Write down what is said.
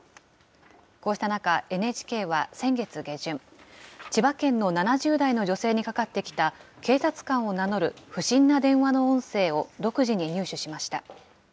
こうした中、ＮＨＫは先月下旬、千葉県の７０代の女性にかかってきた警察官を名乗る不審な電話の音声を独自に入手しました。